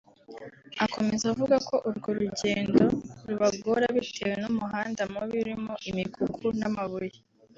Akomeza avuga ko urwo rugendo rubagora bitewe n’umuhanda mubi urimo imikuku n’amabuye